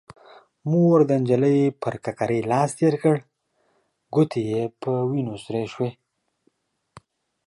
مور د نجلۍ پر ککرۍ لاس تير کړ، ګوتې يې په وينو سرې شوې.